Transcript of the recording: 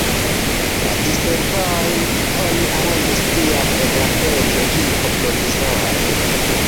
La diservojn oni aranĝis tiam en la Petro-kirko provizore.